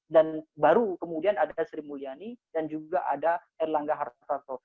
dan baru kemudian ada sri mulyani dan juga ada erlangga hartarto